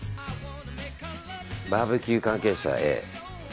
バーベキュー関係者